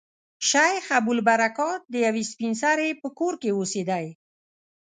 شیخ ابوالبرکات د یوې سپین سري په کور کې اوسېدی.